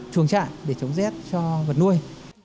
chuồng chạy để chống rết cho vật nuôi